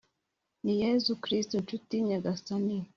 ni yezu kristu, nshuti nyagasani